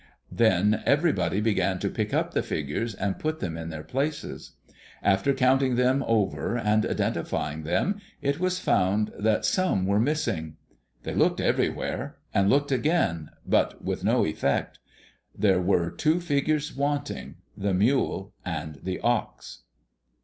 Then everybody began to pick up the figures and put them in their places. After counting them over and identifying them, it was found that some were missing. They looked everywhere, and looked again, but to no effect. There were two figures wanting, the Mule and the Ox.